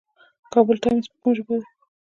کابل ټایمز په کومه ژبه ده؟